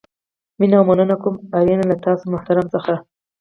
مینه او مننه کوم آرین له تاسو محترمو څخه.